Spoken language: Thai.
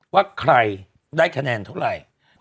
ว่าใครได้คะแนนเท่าไหร่